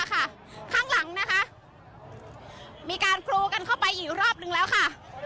ข้างหลังนะคะมีการกรูกันเข้าไปอีกรอบนึงแล้วค่ะ